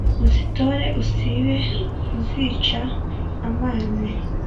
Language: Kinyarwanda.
uzitore usibe kuzica amazi